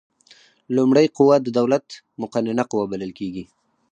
لومړۍ قوه د دولت مقننه قوه بلل کیږي.